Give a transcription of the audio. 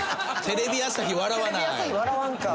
テレビ朝日笑わんか。